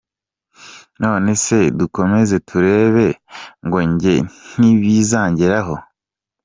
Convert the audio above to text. None se dukomeze turebere: “ngo njye ntibizangera ho”.